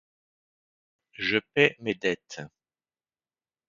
Je paie mes dettes.